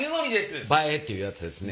映えっていうやつですね。